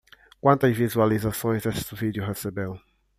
Quantas visualizações esse vídeo recebeu?